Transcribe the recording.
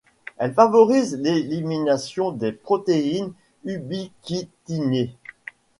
Elle favorise l'élimination des protéines ubiquitinées.